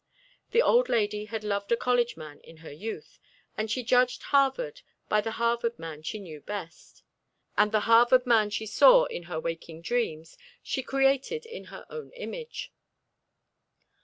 The old lady had loved a college man in her youth, and she judged Harvard by the Harvard man she knew best. And the Harvard man she saw in her waking dreams, she created in her own image.